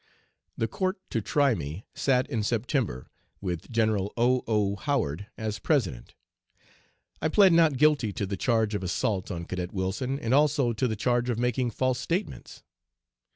"The court to try me sat in September, with General O. O. Howard as President. I plead 'not guilty' to the charge of assault on Cadet Wilson, and also to the charge of making false statements.